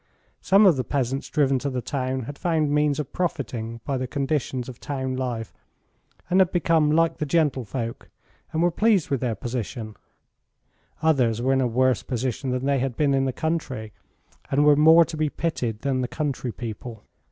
Some of the peasants driven to the town had found means of profiting by the conditions of town life and had become like the gentlefolk and were pleased with their position; others were in a worse position than they had been in the country and were more to be pitied than the country people.